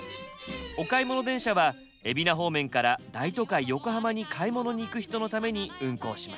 おかいもの電車は海老名方面から大都会横浜に買い物に行く人のために運行しました。